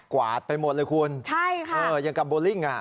วาดไปหมดเลยคุณใช่ค่ะเอออย่างกับโบลิ่งอ่ะ